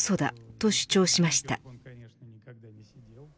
と主張しました。